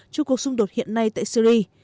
cho cuộc xung đột hiện nay tại syri